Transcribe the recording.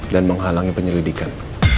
dan menghalangi penyelidikan